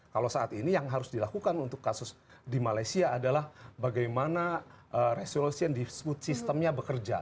kalau saat ini yang harus dilakukan untuk kasus di malaysia adalah bagaimana resolusi yang disebut sistemnya bekerja